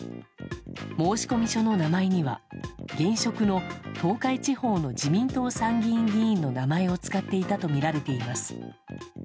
申込書の名前には現職の東海地方の自民党参議院議員の名前を使っていたとみられています。